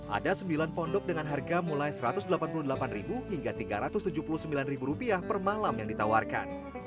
ada sembilan pondok dengan harga mulai rp satu ratus delapan puluh delapan hingga rp tiga ratus tujuh puluh sembilan per malam yang ditawarkan